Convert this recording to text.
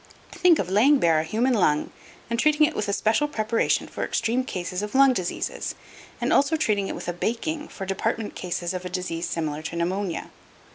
Think of laying bare a human lung and treating it with a special preparation for extreme cases of lung diseases, and also treating it with a "baking" for department cases of a disease similar to pneumonia.